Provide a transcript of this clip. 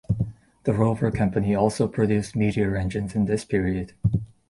The Rover Company also produced Meteor engines in this period.